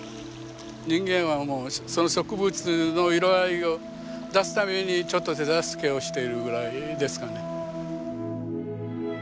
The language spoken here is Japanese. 人間は植物の色合いを出すためにちょっと手助けをしているぐらいですかね。